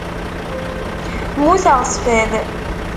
Muteɣ s fad.